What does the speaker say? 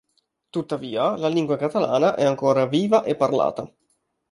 Tuttavia, la lingua catalana è ancora viva e parlata.